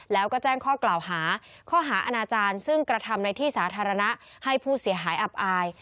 แล้วก็แจ้งข้อกล่าวหาข้อหาอาณาจารย์ซึ่งกระทำในที่สาธารณะให้ผู้เสียหายอับอาย